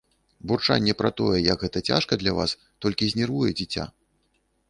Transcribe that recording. Бурчанне пра тое, як гэта цяжка для вас, толькі знервуе дзіця.